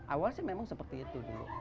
awal sih memang seperti itu dulu